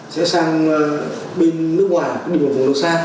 sẽ sang bên nước ngoài đến một vùng lâu xa